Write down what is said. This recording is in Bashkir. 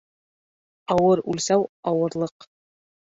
Ауыр үлсәү ауырлыҡ